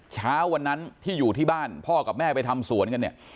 เช้าวันนั้นที่อยู่ที่บ้านพ่อกับแม่ไปทำสวนกันเนี่ย